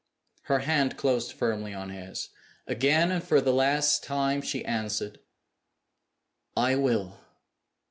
Her hand closed firmly on his. Again, and for the last time, she answered, "I will!"